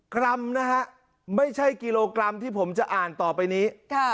กรัมนะฮะไม่ใช่กิโลกรัมที่ผมจะอ่านต่อไปนี้